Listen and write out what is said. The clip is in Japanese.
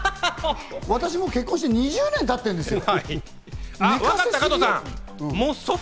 私、もう結婚して２０年経ってるんですよ。